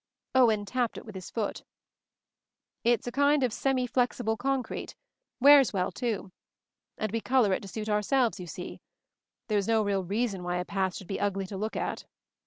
Owen tapped it with his foot. "It's a kind of semi flexible concrete — wears well, too. And we color it to suit ourselves, you see. There was no real reason why a path should be ugly to look at."